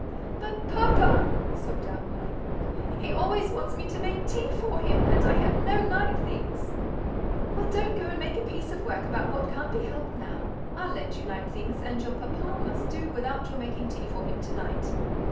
"But papa!" sobbed out Molly. "He always wants me to make tea for him; and I have no night things." "Well, don't go and make a piece of work about what can't be helped now. I'll lend you night things, and your papa must do without your making tea for him to night.